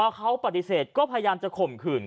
ชาวบ้านญาติโปรดแค้นไปดูภาพบรรยากาศขณะ